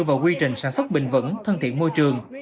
và quy trình sản xuất bình vẩn thân thiện môi trường